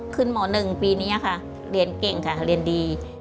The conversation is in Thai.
คุณหมอ๑ปีนี้ค่ะเรียนเก่งค่ะเรียนดี